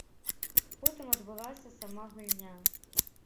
Потым адбылася сама гульня.